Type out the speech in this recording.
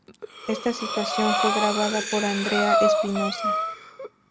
Esta situación fue grabada por Andrea Espinoza.